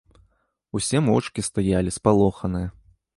Усе моўчкі стаялі, спалоханыя.